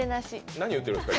何言ってるんですか？